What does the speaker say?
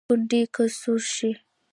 ګوندې که سوړ شي.